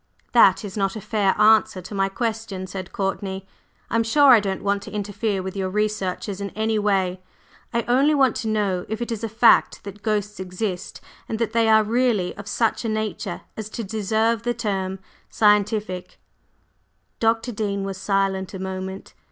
"That is not a fair answer to my question," said Courtney, "I'm sure I don't want to interfere with your researches in any way; I only want to know if it is a fact that ghosts exist, and that they are really of such a nature as to deserve the term 'scientific.'" Dr. Dean was silent a moment.